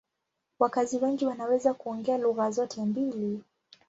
Wakazi wengi wanaweza kuongea lugha zote mbili.